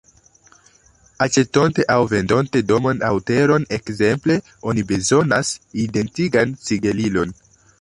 Aĉetonte aŭ vendonte domon aŭ terenon, ekzemple, oni bezonas identigan sigelilon.